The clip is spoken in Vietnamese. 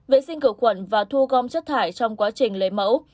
vệ sinh cửa quận và thu gom chất thải trong quá trình lấy mẫu